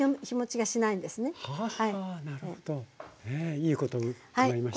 いいことを伺いました。